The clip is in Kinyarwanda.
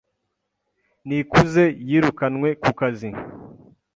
Nikuze yirukanwe ku kazi.